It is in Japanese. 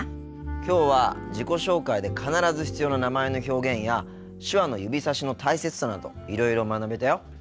きょうは自己紹介で必ず必要な名前の表現や手話の指さしの大切さなどいろいろ学べたよ。